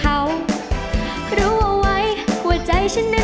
ใจรองได้ช่วยกันรองด้วยนะคะ